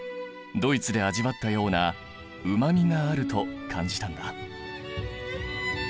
ドイツで味わったようなうま味があると感じたんだ。